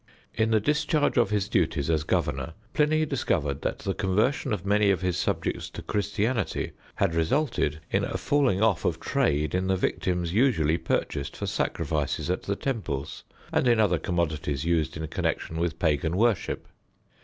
In the discharge of his duties as governor, Pliny discovered that the conversion of many of his subjects to Christianity had resulted in a falling off of trade in the victims usually purchased for sacrifices at the temples and in other commodities used in connection with pagan worship.